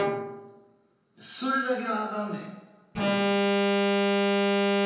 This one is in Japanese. それだけはあかんね。